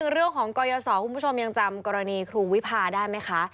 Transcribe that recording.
เรื่องของกรยศคุณผู้ชมยังจำกรณีครูวิพาได้ไหมคะ